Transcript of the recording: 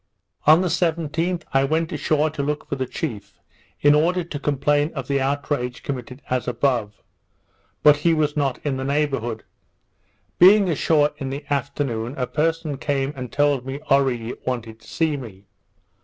On the 17th, I went ashore to look for the chief, in order to complain of the outrage committed as above; but he was not in the neighbourhood. Being ashore in the afternoon, a person came and told me Oree wanted to see me.